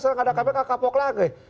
sekarang ada kpk kapok lagi